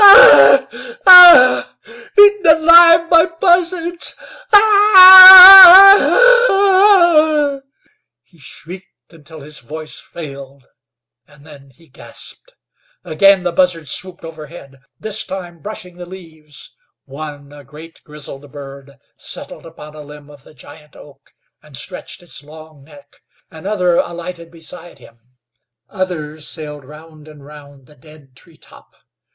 Ah h! Ah h! Eaten alive by buzzards! Ah h! Ah h! Ah h!" He shrieked until his voice failed, and then he gasped. Again the buzzards swooped overhead, this time brushing the leaves. One, a great grizzled bird, settled upon a limb of the giant oak, and stretched its long neck. Another alighted beside him. Others sailed round and round the dead tree top.